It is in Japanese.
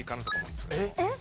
えっ？